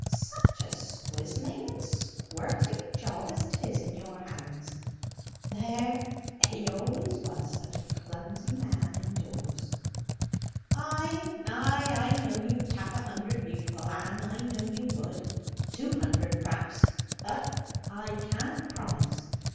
Such a squizzling and squirting job as 'tis in your hands! There, he always was such a clumsy man indoors." "Ay, ay; I know you'd tap a hundred beautiful, Ann I know you would; two hundred, perhaps. But I can't promise.